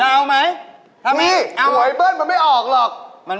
เอาไหมนี่รอไอ้เบิ้ลมันไม่ออกหรอกระนั้น